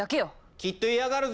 きっと嫌がるぞ！